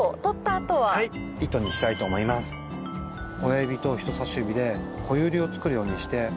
親指と人さし指でこよりを作るようにして。